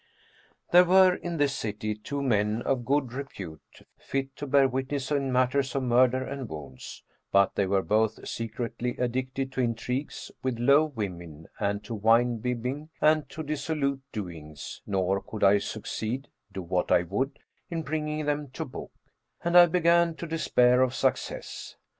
"There were in this city two men of good repute fit to bear witness[FN#401] in matters of murder and wounds; but they were both secretly addicted to intrigues with low women and to wine bibbing and to dissolute doings, nor could I succeed (do what I would) in bringing them to book, and I began to despair of success.